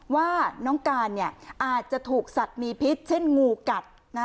ว่าน้องการอาจจะถูกสัตว์มีพิษเช่นงูกัด